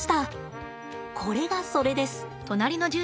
これがそれです。